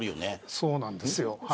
そうなんですよ